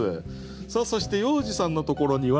さあそして要次さんのところには？